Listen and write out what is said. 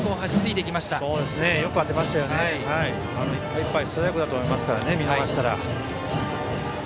いっぱいいっぱいストライクだと思いますから見逃したら。